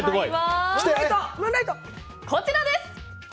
こちらです！